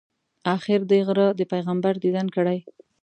آخر دې غره د پیغمبر دیدن کړی.